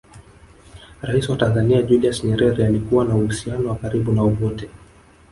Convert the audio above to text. Rais wa Tanzania Julius Nyerere alikuwa na uhusiano wa karibu na Obote